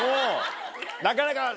なかなか。